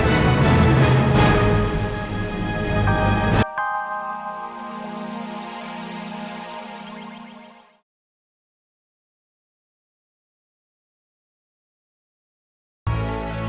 dan aku ingin membalas dendam dengan bonam